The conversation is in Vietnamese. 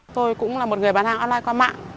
tôi cũng là một người bán hàng online qua mạng